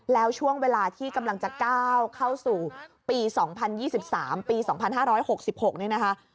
แล้วช่วงเวลาที่กำลังจะก้าวเข้าสู่ปี๒๐๒๓ปี๒๕๖๖นี่นะคะ